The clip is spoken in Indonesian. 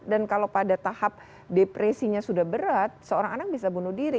dan kalau pada tahap depresinya sudah berat seorang anak bisa bunuh diri